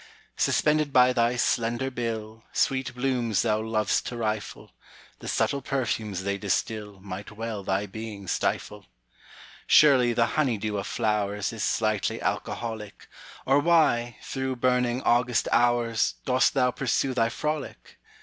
Suspended by thy slender bill, Sweet blooms thou lov'st to rifle; The subtle perfumes they distilMight well thy being stifle. Surely the honey dew of flowersIs slightly alcoholic, Or why, through burning August hours, Dost thou pursue thy frolic?